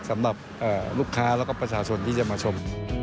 สำหรับลูกค้าแล้วก็ประชาชนที่จะมาชม